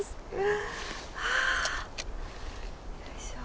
あよいしょ。